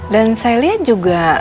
dan saya lihat juga